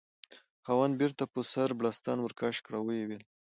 خاوند: بیرته په سر بړستن ورکش کړه، ویې ویل: